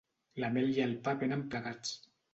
La mel i el pa venen plegats.